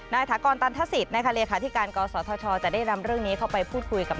ถากรตันทศิษย์นะคะเลขาธิการกศธชจะได้นำเรื่องนี้เข้าไปพูดคุยกับ